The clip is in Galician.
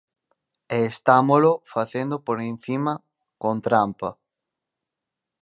E estámolo facendo por encima con trampa.